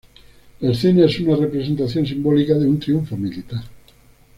La escena es una representación simbólica de un triunfo militar.